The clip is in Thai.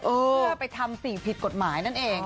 เพื่อไปทำสิ่งผิดกฎหมายนั่นเอง